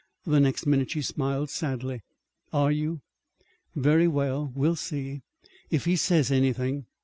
The next minute she smiled sadly. "Are you? Very well; we'll see if he says anything.